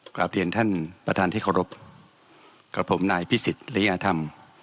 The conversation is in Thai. กลับเรียนท่านประธานที่เคารพกับผมนายพิสิทธิริยธรรม